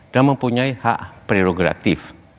dan mempunyai hak prerogatif